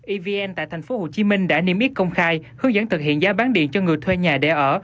evn tại thành phố hồ chí minh đã niêm yết công khai hướng dẫn thực hiện giá bán điện cho người thuê nhà để ở